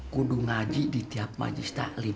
kudu ngaji di tiap majlis taklim